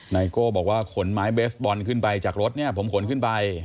โก้บอกว่าขนไม้เบสบอลขึ้นไปจากรถเนี่ยผมขนขึ้นไป